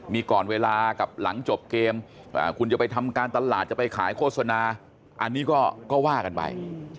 มีก่อนเวลากับหลังจบเกมคุณจะไปทำการตลาดจะไปขายโฆษณาอันนี้ก็ว่ากันไป